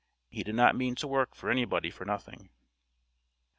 He did not mean to work for any body for nothing.